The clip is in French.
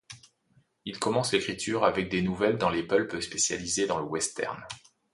Il commence l'écriture avec des nouvelles dans les pulps spécialisés dans le western.